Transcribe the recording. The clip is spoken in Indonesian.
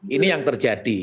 ini yang terjadi